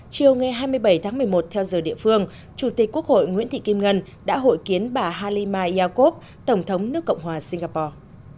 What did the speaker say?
chiều ngày hai mươi bảy tháng một mươi một theo giờ địa phương chủ tịch quốc hội nguyễn thị kim ngân đã hội kiến bà halima yakov tổng thống nước cộng hòa singapore